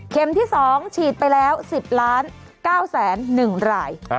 ที่๒ฉีดไปแล้ว๑๐๙๑ราย